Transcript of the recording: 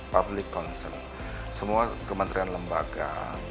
public concern semua kementerian lembaga